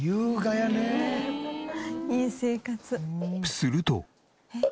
すると。